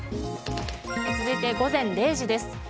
続いて、午前０時です。